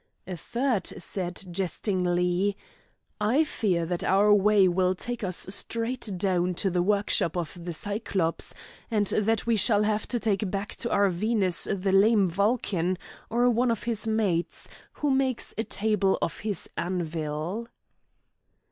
A third said jestingly: "I fear that our way will take us straight down to the workshop of the Cyclops, and that we shall have to take back to our Venus the lame Vulcan or one of his mates, who makes a table of his anvil."